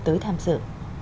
tới tham dự